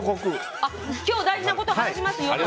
今日、大事なこと話しますよと？